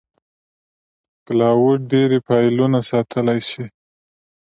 کلاوډ ډېری فایلونه ساتلی شي.